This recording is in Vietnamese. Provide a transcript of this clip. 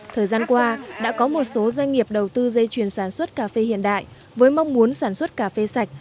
thời gian qua đã có một số doanh nghiệp đầu tư dây chuyền sản xuất cà phê hiện đại với mong muốn sản xuất cà phê sạch